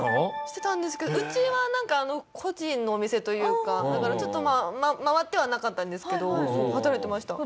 してたんですけどうちはなんか個人のお店というかだからちょっと回ってはなかったんですけど働いてました。